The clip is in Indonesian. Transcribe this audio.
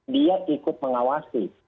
biar ikut mengawasi